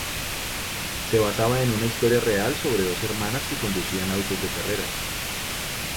Se basaba en una historia real sobre dos hermanas que conducían autos de carreras.